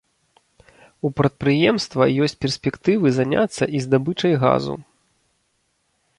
У прадпрыемства ёсць перспектывы заняцца і здабычай газу.